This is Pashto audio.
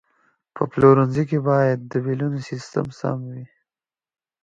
په پلورنځي کې باید د بیلونو سیستم سم وي.